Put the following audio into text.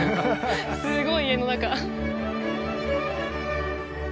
すごい家の中。